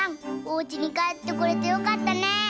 おうちにかえってこれてよかったね。